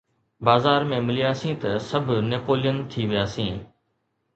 بازار ۾ ملياسين ته سڀ نيپولين ٿي وياسين.